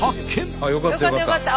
あっよかったよかった。